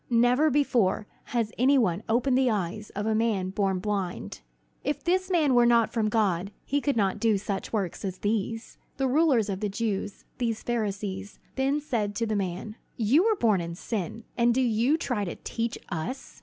Never before has any one opened the eyes of a man born blind. If this man were not from God, he could not do such works as these!" The rulers of the Jews, these Pharisees, then said to the man: "You were born in sin, and do you try to teach us?"